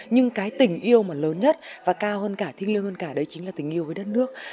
nhưng cái tình yêu mà lớn nhất và cao hơn cả thiêng liêng hơn cả đấy chính là tình yêu với đất nước